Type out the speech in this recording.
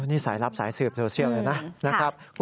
นี่สายลับสายสืบโซเชียลเลยนะครับ